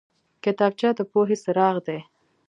کتابچه د پوهې څراغ دی